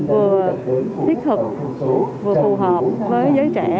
vừa thiết thực vừa phù hợp với giới trẻ